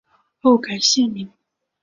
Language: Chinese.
后改现名。